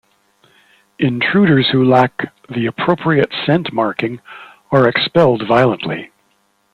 Intruders who lack the appropriate scent marking are expelled violently.